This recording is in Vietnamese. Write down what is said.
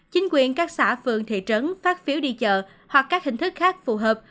chính quyền các xã phường thị trấn phát phiếu đi chợ hoặc các hình thức khác phù hợp